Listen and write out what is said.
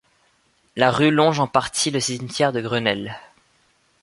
La rue longe en partie le cimetière de Grenelle.